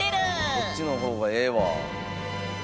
こっちのほうがええわ。